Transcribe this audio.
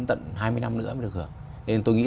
tận hai mươi năm nữa mới được hưởng cho nên tôi nghĩ